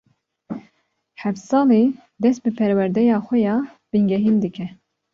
Heft salî dest bi perwedeya xwe ya bingehîn dike.